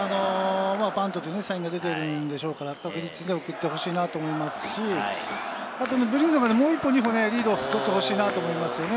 バントというサインが出ているんでしょうから確実に送ってほしいなと思いますし、ブリンソンがもう一歩二歩、リードを取ってほしいなと思いますね。